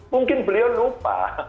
mungkin beliau lupa